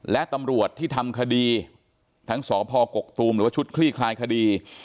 และตำรวจที่ทำคดีทั้งสพกกตูมหรือว่าชุดคลี่คลายคดี